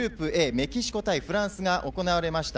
メキシコ対フランスが行われました。